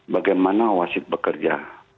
bagaimana wasit bekerja